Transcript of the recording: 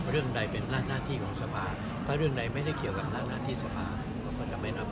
เรื่องใดเป็นหน้าที่ของสภาถ้าเรื่องใดไม่ได้เกี่ยวกับร่างหน้าที่สภาเขาก็จะไม่รับ